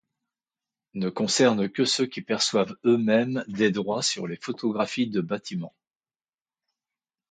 Ne concerne que ceux qui perçoivent eux-mêmes des droits sur les photographies de bâtiments.